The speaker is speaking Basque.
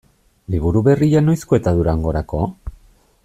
Liburu berria noizko eta Durangorako?